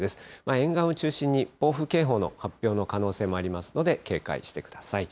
沿岸を中心に暴風警報の発表の可能性もありますので、警戒してください。